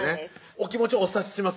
お気持ちお察しします